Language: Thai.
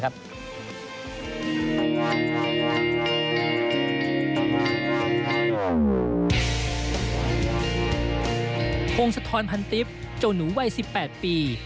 พงศธรพันติ๊บโจหนูวัย๑๘ปี